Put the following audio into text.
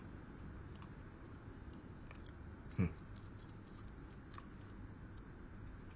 うん。